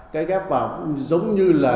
cái ép vào cũng giống như là